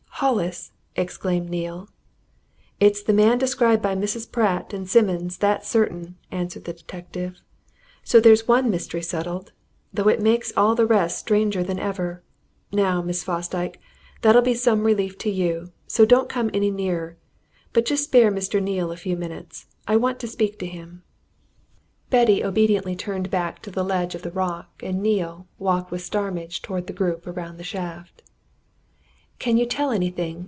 "Hollis!" exclaimed Neale. "It's the man described by Mrs. Pratt and Simmons that's certain," answered the detective. "So there's one mystery settled though it makes all the rest stranger than ever. Now, Miss Fosdyke, that'll be some relief to you so don't come any nearer. But just spare Mr. Neale a few minutes I want to speak to him." Betty obediently turned back to the ledge of rock, and Neale walked with Starmidge towards the group around the shaft. "Can you tell anything?"